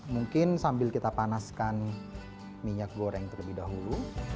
mungkin sambil kita panaskan minyak goreng terlebih dahulu